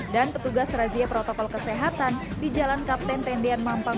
dan petugas razia protokol kesehatan di jalan kapten tendean mampang